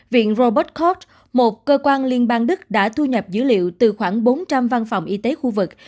viện robert card một cơ quan liên bang đức đã thu nhập dữ liệu từ khoảng bốn trăm linh văn phòng y tế khu vực